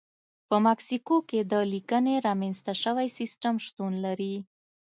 په مکسیکو کې د لیکنې رامنځته شوی سیستم شتون لري.